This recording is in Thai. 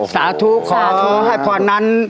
สาธุขอให้พอนั้น